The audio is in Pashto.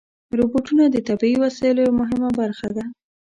روبوټونه د طبي وسایلو یوه مهمه برخه ده.